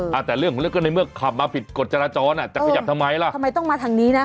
อ่ะแต่เรื่องของเรื่องก็ในเมื่อขับมาผิดกฎจราจรอ่ะจะขยับทำไมล่ะทำไมต้องมาทางนี้นะ